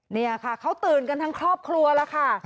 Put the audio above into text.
นี่ค่ะเขาตื่นกันทั้งครอบครัวแล้วค่ะ